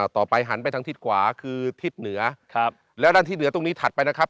ต่อไปหันไปทั้งทิศขวาคือทิศเหนือและที่เหนือตรงนี้ถัดไปนะครับ